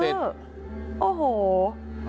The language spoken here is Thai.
เป็นเงินล่อซื้อโอ้โห